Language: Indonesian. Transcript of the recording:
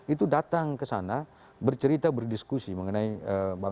itu datang ke sana bercerita berdiskusi mengenai bangsa